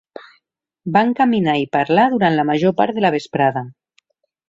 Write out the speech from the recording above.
Van caminar i parlar durant la major part de la vesprada.